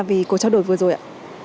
vì cuộc trao đổi vừa rồi ạ